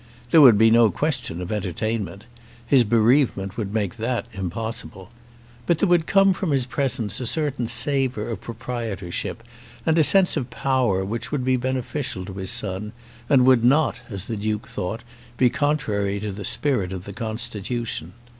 There would be no question of entertainment. His bereavement would make that impossible. But there would come from his presence a certain savour of proprietorship, and a sense of power, which would be beneficial to his son, and would not, as the Duke thought, be contrary to the spirit of the constitution.